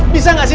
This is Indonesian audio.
bisa gak sih